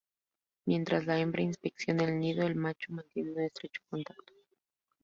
Mientras la hembra inspecciona el nido, el macho mantiene un estrecho contacto.